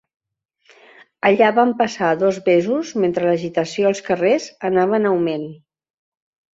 Allà van passar dos mesos mentre l'agitació als carrers anava en augment.